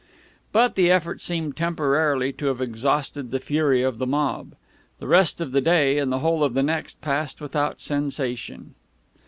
But the effort seemed temporarily to have exhausted the fury of the mob. The rest of that day and the whole of the next passed without sensation.